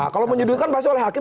kalau menyudutkan pasti oleh hakim